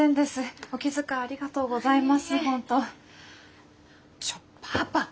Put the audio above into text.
ちょっパパお茶！